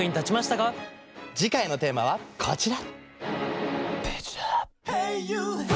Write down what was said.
次回のテーマはこちら！